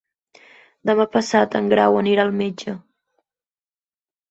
Demà passat en Grau anirà al metge.